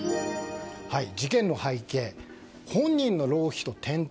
事件の背景、本人の浪費と。